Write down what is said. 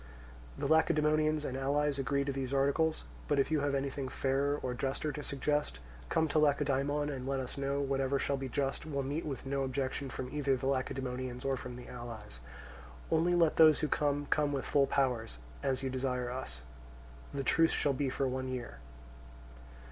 The Lacedaemonians and allies agree to these articles; but if you have anything fairer or juster to suggest, come to Lacedaemon and let us know: whatever shall be just will meet with no objection either from the Lacedaemonians or from the allies. Only let those who come come with full powers, as you desire us. The truce shall be for one year.